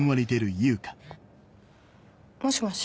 もしもし？